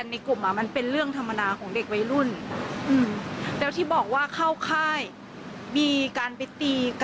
ฟังเสียงคุณแม่และก็น้องที่เสียชีวิตค่ะ